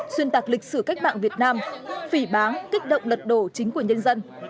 xuyên tạc lịch sử cách mạng việt nam phỉ bán kích động lật đổ chính quyền nhân dân